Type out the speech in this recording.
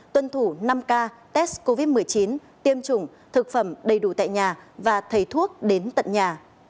tuân thủ năm k test covid một mươi chín tiêm chủng thực phẩm đầy đủ tại nhà và thầy thuốc đến tận nhà